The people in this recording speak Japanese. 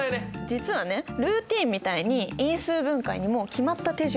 実はねルーティーンみたいに因数分解にも決まった手順があるの。